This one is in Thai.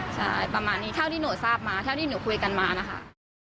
ใช่ประมาณนี้เท่าที่หนูทราบมาเท่าที่หนูคุยกันมานะคะ